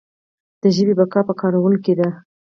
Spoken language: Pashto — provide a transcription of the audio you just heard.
د ژبې بقا په کارولو کې ده.